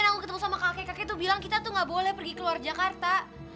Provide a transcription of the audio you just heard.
aku ketemu sama kakek kakek tuh bilang kita tuh gak boleh pergi keluar jakarta